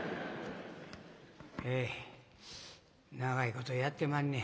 え長いことやってまんねん。